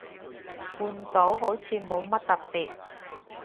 半島好似冇乜特別